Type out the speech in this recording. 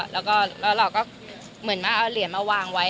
เราก็เหมือนเอาเหรียญมาวางไว้